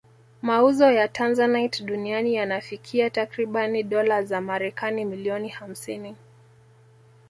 Mauzo ya Tanzanite duniani yanafikia takribani dola za Marekani milioni hamsini